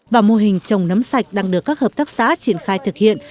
và mô hình trồng nấm sạch đang được các hợp tác xã triển khai thực hiện